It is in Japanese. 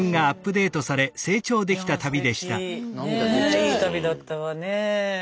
ねえいい旅だったわねえ。